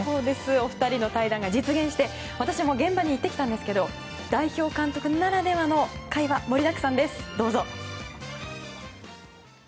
お二人の対談が実現して私も現場に行ってきたんですが代表監督ならではの会話が盛りだくさんです。